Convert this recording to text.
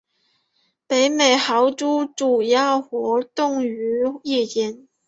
北美豪猪主要活跃于夜间。